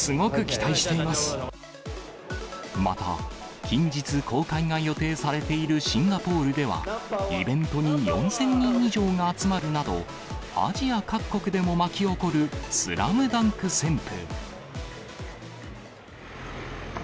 また、近日公開が予定されているシンガポールでは、イベントに４０００人以上が集まるなど、アジア各国でも巻き起こるスラムダンク旋風。